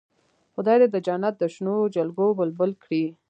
خدای دې د جنت د شنو جلګو بلبل کړي.